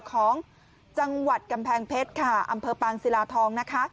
ของจังหวัดกำแพงเพชรค่ะอำเภอปางศิลาทองนะคะ